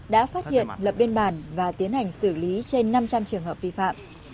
đã phát hiện lập biên bản và tiến hành xử lý trên năm trăm linh trường hợp vi phạm